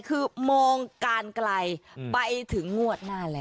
คือมองการไกลไปถึงงวดหน้าแล้ว